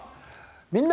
「みんな！